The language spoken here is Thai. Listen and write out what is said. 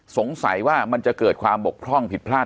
สงสัยว่ามันจะเกิดความบกพร่องผิดพลาด